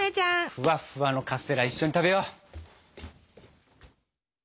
フワッフワのカステラ一緒に食べよう。